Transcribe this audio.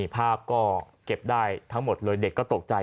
ภาพก็เก็บได้ทั้งหมดเลยเด็กก็ตกใจ